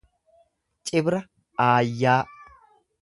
Cibra aayyaa